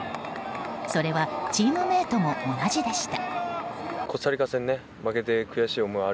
それはチームメートも同じでした。